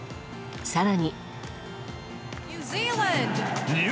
更に。